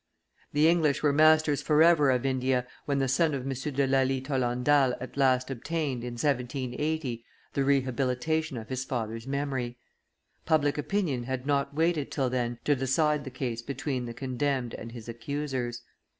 The English were masters forever of India when the son of M. de Lally Tollendal at last obtained, in 1780, the rehabilitation of his father's memory. Public opinion had not waited till then to decide the case between the condemned and his accusers.